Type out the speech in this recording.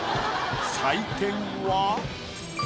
採点は。